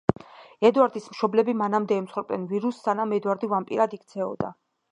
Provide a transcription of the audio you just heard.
ედვარდის მშობლები მანამდე ემსხვერპლნენ ვირუსს, სანამ ედვარდი ვამპირად იქცეოდა.